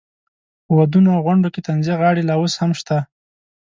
په ودونو او غونډو کې طنزیه غاړې لا اوس هم شته.